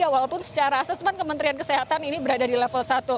walaupun secara asesmen kementerian kesehatan ini berada di level satu